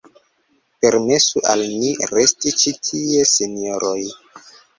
Permesu al ni resti ĉi tie, sinjoroj!